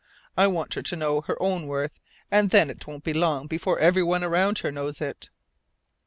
I want her to know her own worth, and then it won't be long before everyone around her knows it."